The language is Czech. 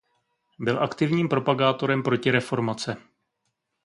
Byl aktivním propagátorem protireformace.